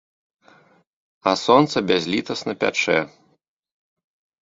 А сонца бязлітасна пячэ.